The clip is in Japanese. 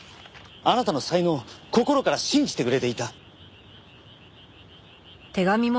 あなたの才能を心から信じてくれていた。